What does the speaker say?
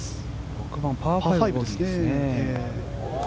６番、パー５ですね。